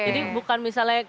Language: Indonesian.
jadi bukan misalnya